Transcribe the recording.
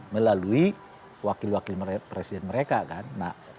melalui wakil wakil presiden mereka kan